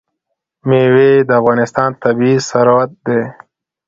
مېوې د افغانستان طبعي ثروت دی.